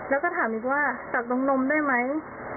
แล้วก็ถามอีกว่าตักน้องนมได้ไหม